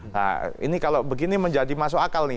nah ini kalau begini menjadi masuk akal nih